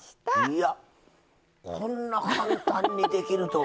いやこんな簡単にできるとは。